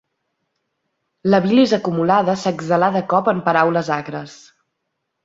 La bilis acumulada s'exhalà de cop en paraules agres.